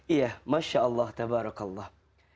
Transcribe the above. iya masya allah tabarakallah